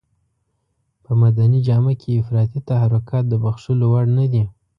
په مدني جامه کې افراطي تحرکات د بښلو وړ نه دي.